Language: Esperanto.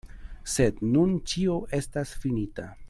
Sed nun ĉio estas finita.